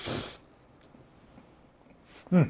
うん。